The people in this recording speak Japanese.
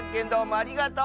ありがとう！